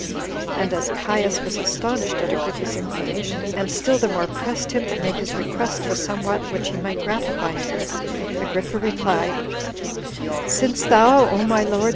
And as Caius was astonished at Agrippa's inclinations, and still the more pressed him to make his request for somewhat which he might gratify him with, Agrippa replied, "Since thou, O my lord!